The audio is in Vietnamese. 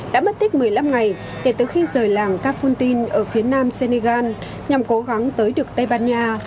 đã mất tích một mươi năm ngày kể từ khi rời làng kafutin ở phía nam senegal nhằm cố gắng tới được tây ban nha